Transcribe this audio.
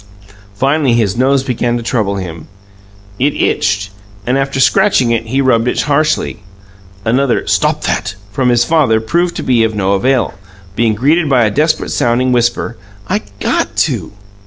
Finally, his nose began to trouble him. It itched, and after scratching it, he rubbed it harshly. Another "Stop that!" from his father proved of no avail, being greeted by a desperate sounding whisper, "I GOT to!"